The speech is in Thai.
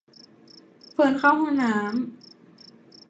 เฟิร์นเข้าห้องน้ำ